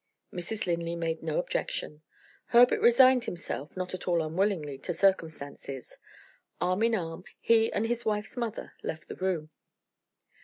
Mrs. Linley made no objection. Herbert resigned himself (not at all unwillingly) to circumstances. Arm in arm, he and his wife's mother left the room.